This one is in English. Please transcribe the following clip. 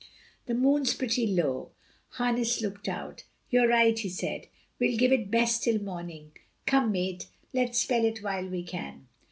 "The moon's pretty low." Harkness looked out. "You're right," he said. "We'll give it best till morning. Come, mate, let's spell it while we can."